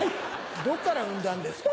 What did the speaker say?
どっから産んだんですか。